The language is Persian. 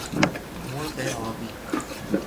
مرغ آبی